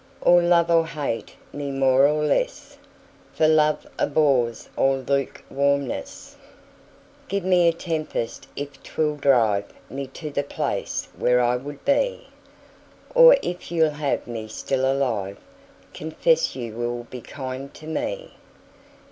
Or love or hate me more or less, 5 For love abhors all lukewarmness. Give me a tempest if 'twill drive Me to the place where I would be; Or if you'll have me still alive, Confess you will be kind to me.